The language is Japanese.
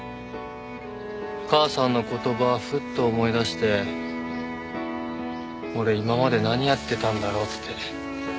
母さんの言葉ふっと思い出して俺今まで何やってたんだろって。